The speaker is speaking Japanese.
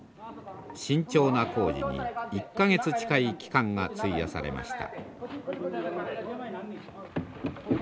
慎重な工事に１か月近い期間が費やされました。